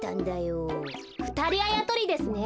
ふたりあやとりですね。